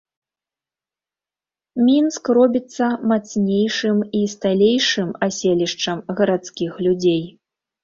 Мінск робіцца мацнейшым і сталейшым аселішчам гарадскіх людзей.